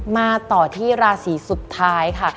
มาต่อที่ราศีสุดท้ายค่ะ